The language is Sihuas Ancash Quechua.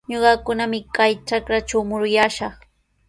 Ñuqakunami kay trakratraw muruyaashaq.